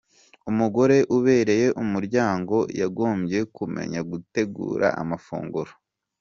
Umugore ubereye umuryango yagombye kumenya gutegura amafunguro.